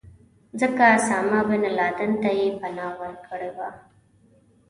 ځکه اسامه بن لادن ته یې پناه ورکړې وه.